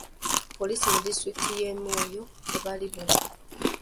Poliisi mu disitulikiti y'e Moyo tebali bumu.